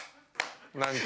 何か。